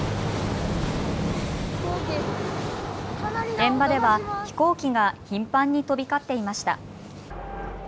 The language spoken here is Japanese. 現場では飛行機が頻繁に飛び交っていました。